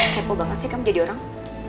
heboh banget sih kamu jadi orang